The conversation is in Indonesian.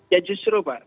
ya justru pak